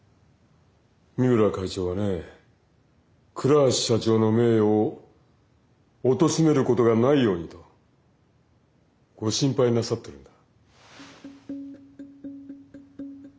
三村会長はね倉橋社長の名誉をおとしめることがないようにとご心配なさってるんだ。